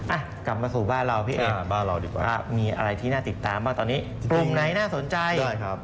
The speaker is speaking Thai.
อ่ะกลับมาสู่บ้านเราพี่เอ๋มีอะไรที่น่าติดตามบ้างตอนนี้ปรุ่มไหนน่าสนใจได้ครับ